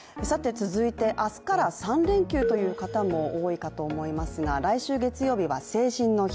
続いて、明日から３連休という方も多いかと思いますが来週月曜日は成人の日。